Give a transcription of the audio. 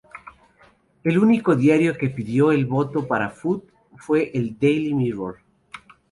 El único diario que pidió el voto para Foot fue el "Daily Mirror"".